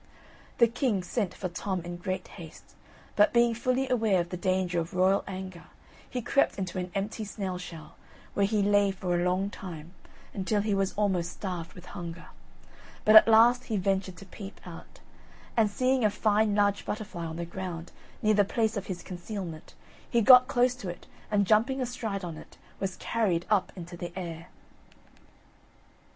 The king sent for Tom in great haste, but being fully aware of the danger of royal anger, he crept into an empty snail shell, where he lay for a long time until he was almost starved with hunger; but at last he ventured to peep out, and seeing a fine large butterfly on the ground, near the place of his concealment, he got close to it and jumping astride on it, was carried up into the air.